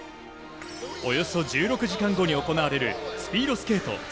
およそ１６時間後に行われるスピードスケート